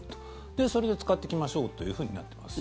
で、それを使っていきましょうとなっています。